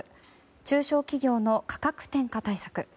中小企業の価格転嫁対策。